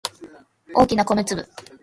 大きな米粒